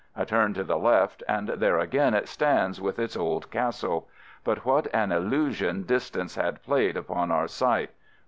A turn to the left and there again it stands with its old castle. But what an illusion distance had played upon our sight.